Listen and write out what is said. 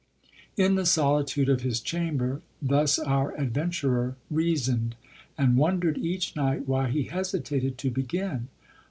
In the solitude of his chamber, thus our adventurer reasoned ; and wondered each night why he hesitated to be gin.